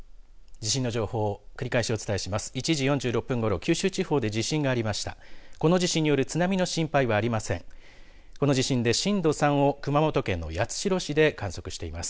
地震の情報を繰り返しお伝えします。